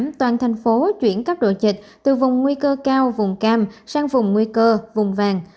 toàn thành phố chuyển cấp độ dịch từ vùng nguy cơ cao vùng cam sang vùng nguy cơ vùng vàng